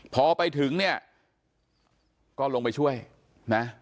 พอไปถึงเนี่ยก็ลงไปช่วยนะ